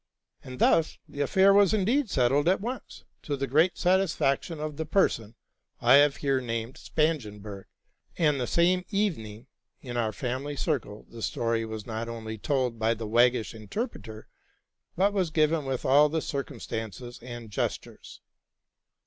'' And thus the affair was indeed settled at once, to the great satisfaction of the person I have here named Spangenberg ; and the same evening, in our family circle, the story was not only told by the waggish interpreter, but was given with all the circumstances and gestures.